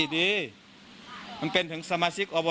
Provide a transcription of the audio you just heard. ดีมันเป็นถึงรองนายกด้วย